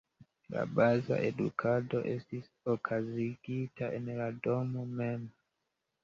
La baza edukado estis okazigita en la domo mem.